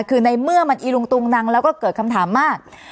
คือในเมื่อมันอีลุงตุงนังแล้วก็เกิดคำถามมาก